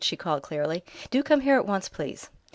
she called clearly. "Do come here at once, please!"